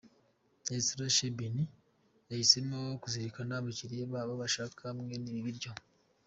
Restaurant Chez Benny yahisemo kuzirikana abakiriya babo bashaka mwene ibi biryo.